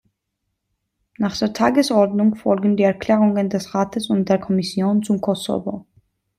Nach der Tagesordnung folgen die Erklärungen des Rates und der Kommission zum Kosovo.